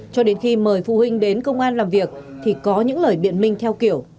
cho đến khi mời phụ huynh đến công an làm việc thì có những lời biện minh theo kiểu